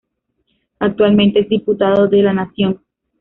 Actualmente es Diputado de la Nación.